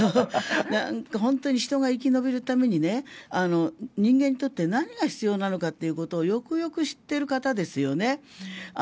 本当に人が生き延びるために人間にとって何が必要なのかということをよくよく知っている方ですよね。